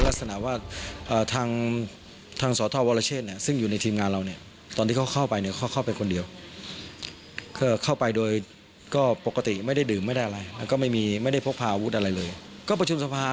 ได้ฟังจากคนเจ็บนี้ที่บอกว่า